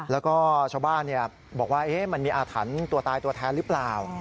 แล้วก็ชาวบ้านบอกว่ามันมีอาถรรพ์ตัวตายตัวแทนหรือเปล่า